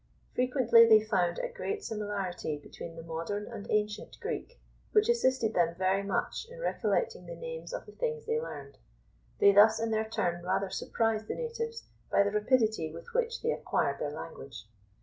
Frequently they found a great similarity between the modern and ancient Greek, which assisted them very much in recollecting the names of the things they learned. They thus in their turn rather surprised the natives by the rapidity with which they acquired their language.